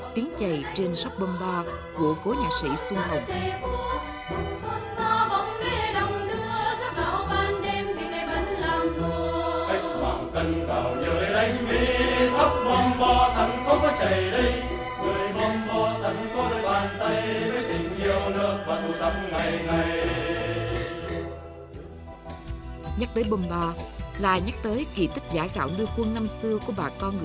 tiếng chày trên sóc bông ba của cổ nhạc sĩ xuân hồng